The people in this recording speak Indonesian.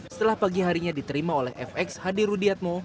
setelah pagi harinya diterima oleh fx hadirudiatmo